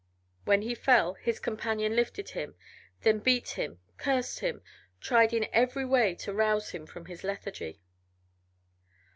When he fell his companion lifted him, then beat him, cursed him, tried in every way to rouse him from his lethargy.